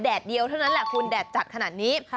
เดียวเท่านั้นแหละคุณแดดจัดขนาดนี้